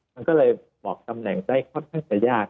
มันก็เลยบอกตำแหน่งได้ค่อนข้างจะยาก